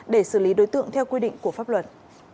để xử lý đối tượng theo quy định của pháp luật